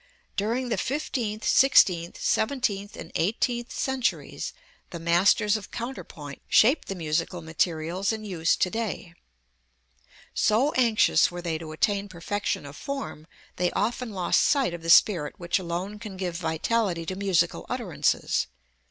During the fifteenth, sixteenth, seventeenth and eighteenth centuries the masters of counterpoint shaped the musical materials in use to day. So anxious were they to attain perfection of form they often lost sight of the spirit which alone can give vitality to musical utterances.